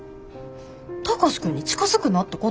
貴司君に近づくなってこと？